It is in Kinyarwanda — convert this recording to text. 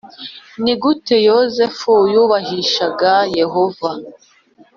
Ni gute Yozefu yubahishaga Yehova